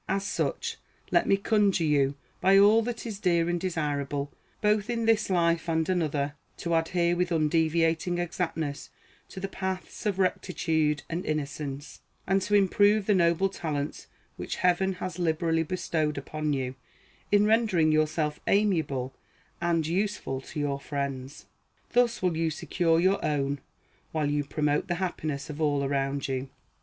As such, let me conjure you, by all that is dear and desirable, both in this life and another, to adhere with undeviating exactness to the paths of rectitude and innocence, and to improve the noble talents which Heaven has liberally bestowed upon you in rendering yourself amiable and, useful to your friends. Thus will you secure your own, while you promote the happiness of all around you.